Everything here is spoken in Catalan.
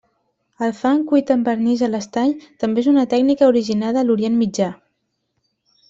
El fang cuit amb vernís a l'estany també és una tècnica originada a Orient Mitjà.